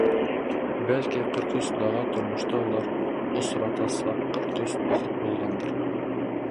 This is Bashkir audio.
Бәлки, ҡырҡ өс даға тормошта улар осратасаҡ ҡырҡ өс бәхет булғандыр.